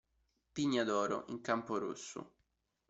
Pigna d'oro in campo rosso.